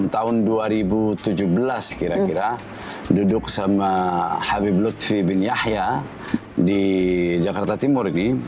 tahun dua ribu tujuh belas kira kira duduk sama habib lutfi bin yahya di jakarta timur ini